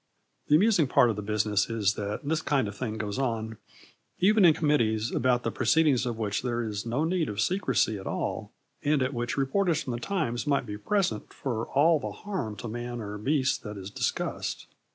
The amusing part of the business is that this kind of thing goes on even in committees about the proceedings of which there is no need of secrecy at all and at which reporters from the Times might be present for all the harm to man or beast that is discussed.